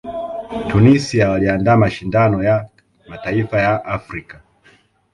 tunisia waliandaa mashindano ya mataifa ya afrika